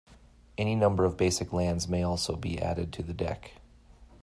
Any number of basic lands may also be added to the deck.